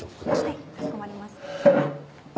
はいかしこまりました。